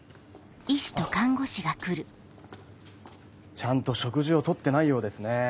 ちゃんと食事を取ってないようですね。